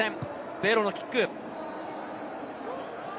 ベーロのキック。